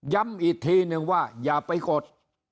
ย้ำอีกทีนึงว่าอย่าไปกด